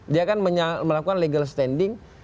dia kan melakukan legal standing